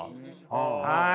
はい。